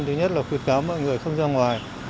thứ nhất là khuyến cáo mọi người không ra ngoài